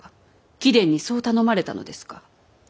貴殿にそう頼まれたのですか？